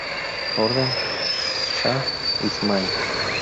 Orden Shah Ismail